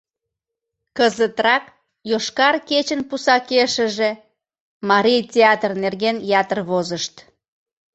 Кызытрак «Йошкар кечын» пусакешыже Марий театр нерген ятыр возышт.